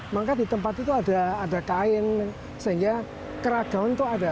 maka di tempat itu ada kain sehingga keragaman itu ada